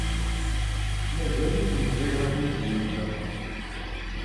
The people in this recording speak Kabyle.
Mazal-ik meẓẓiyed akken ad tzewǧed.